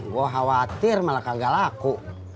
gue khawatir malah kagak laku